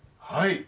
はい。